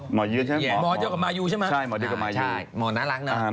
หมอเจอกับมายูใช่มะ